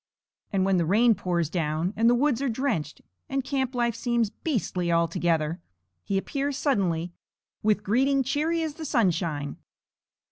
And when the rain pours down, and the woods are drenched, and camp life seems beastly altogether, he appears suddenly with greeting cheery as the sunshine.